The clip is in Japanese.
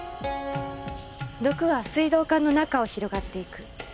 毒は水道管の中を広がっていく。